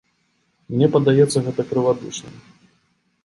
Мне падаецца гэта крывадушным.